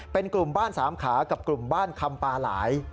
เป็นกลุ่มบ้านสามขากับกลุ่มบ้านคำปลาหลาย